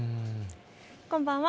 こんばんは。